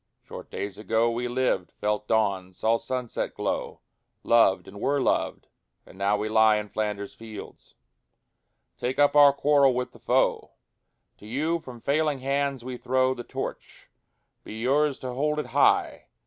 Short days ago We lived, felt dawn, saw sunset glow, Loved, and were loved, and now we lie In Flanders fields. Take up our quarrel with the foe: To you from failing hands we throw The Torch: be yours to hold it high!